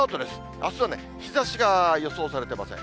あすは日ざしが予想されていません。